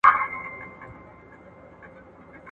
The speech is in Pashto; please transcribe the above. که چا بل چاته وويل چي راځه د شرعي علم مجلس ته.